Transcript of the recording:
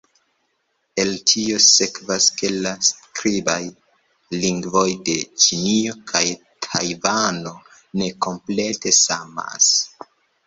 El tio sekvas, ke la skribaj lingvoj de Ĉinio kaj Tajvano ne komplete samas.